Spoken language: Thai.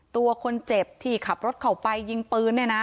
ตัวคนเจ็บที่ขับรถเข้าไปยิงปืนเนี่ยนะ